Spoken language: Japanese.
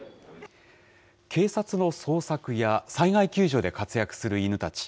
警察の捜索や災害救助で活躍する犬たち。